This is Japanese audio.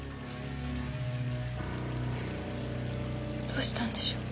どうしたんでしょう。